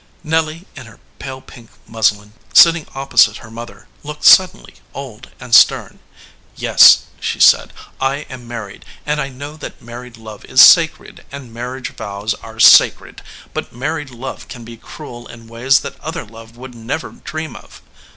Nelly in her pale pink muslin, sitting opposite her mother, looked suddenly old and stern. "Yes," she said, "I am married ; and I know that married love is sacred and marriage vows are sacred, but married love can be cruel in ways that other love would never dream of."